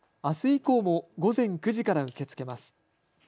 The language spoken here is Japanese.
あす以降も午前９時から受け付けます。